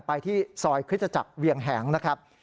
ไปที่ซอยคริสตจักรเวียงแหงนะครับ